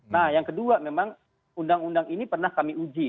nah yang kedua memang undang undang ini pernah kami uji